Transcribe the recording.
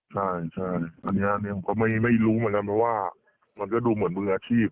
ใช่อันนี้ผมก็ไม่รู้เหมือนกันเพราะว่ามันก็ดูเหมือนมืออาชีพ